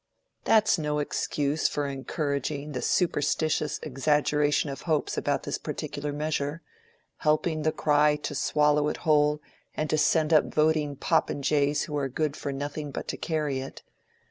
"That is no excuse for encouraging the superstitious exaggeration of hopes about this particular measure, helping the cry to swallow it whole and to send up voting popinjays who are good for nothing but to carry it.